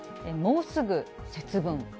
もうすぐ節分。